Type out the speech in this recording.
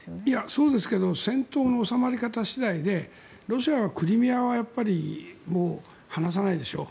そうですけど戦闘の収まり方次第でロシアはクリミアを離さないでしょう。